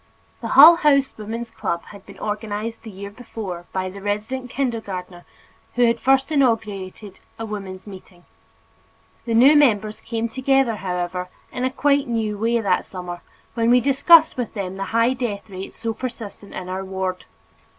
The Hull House Woman's Club had been organized the year before by the resident kindergartner who had first inaugurated a mother's meeting. The new members came together, however, in quite a new way that summer when we discussed with them the high death rate so persistent in our ward.